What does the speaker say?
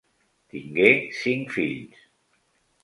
Tingué cinc fills.